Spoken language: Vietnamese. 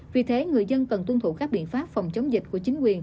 vì thế người dân cần tuân thủ các biện pháp phòng chống dịch của chính quyền